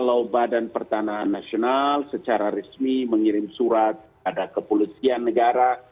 kalau badan pertanahan nasional secara resmi mengirim surat pada kepolisian negara